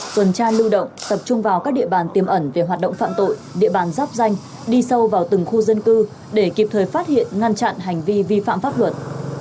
tuần tra lưu động tập trung vào các địa bàn tiềm ẩn về hoạt động phạm tội địa bàn giáp danh đi sâu vào từng khu dân cư để kịp thời phát hiện ngăn chặn hành vi vi phạm pháp luật